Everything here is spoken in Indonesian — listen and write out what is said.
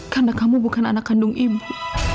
karena kamu bukan anak kandung ibu